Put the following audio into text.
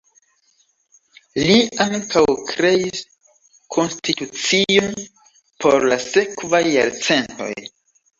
Li ankaŭ kreis konstitucion por la sekvaj jarcentoj.